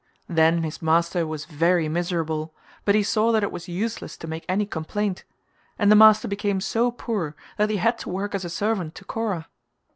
Then his master was very miserable but he saw that it was useless to make any complaint and the master became so poor that he had to work as a servant to Kora.